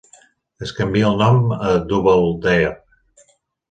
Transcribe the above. Es canvia el nom a Doubledare.